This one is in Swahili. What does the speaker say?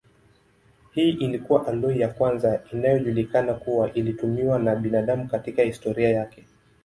Hii ilikuwa aloi ya kwanza inayojulikana kuwa ilitumiwa na binadamu katika historia yake.